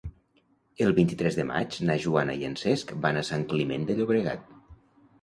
El vint-i-tres de maig na Joana i en Cesc van a Sant Climent de Llobregat.